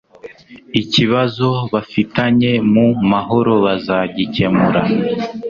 ikibazo bafitanye mu mahorobazagikemura